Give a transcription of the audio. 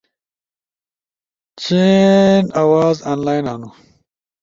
چئین آواز انلائن ہنو